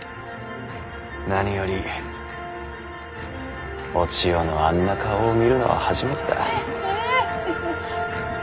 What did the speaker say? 何よりお千代のあんな顔を見るのは初めてだ。